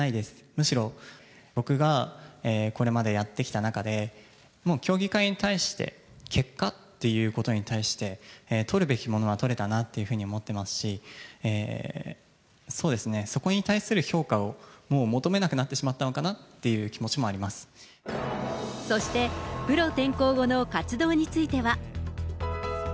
むしろ僕がこれまでやってきた中で、もう競技会に対して、結果っていうことに対して、取るべきものは取れたなというふうに思ってますし、そうですね、そこに対する評価をもう求めなくなってしまったのかなという気持そして、プロ転向後の活動については。